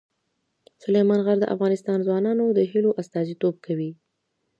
سلیمان غر د افغان ځوانانو د هیلو استازیتوب کوي.